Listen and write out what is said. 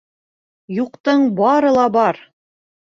Юҡтың бары ла бар